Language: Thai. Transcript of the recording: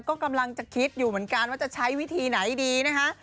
ก็กำลังจะคิดอยู่เหมือนกันว่าจะใช้วิธีไหนดีนะคะ